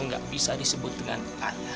enggak bisa disebut dengan anak